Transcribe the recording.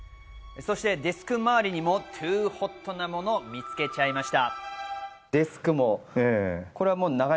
そしてデスク周りにもＴｏｏｏｏｏｏｏＨｏｔなものを見つけちゃいました。